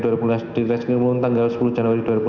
di reskimun tanggal sepuluh januari dua ribu enam belas